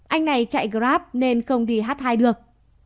anh này chạy grab nên không đi h hai được